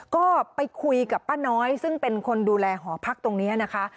ก็ไปคุยกับป้าน้อยซึ่งเป็นคนดูแลหอพักตรงนี้นะคะ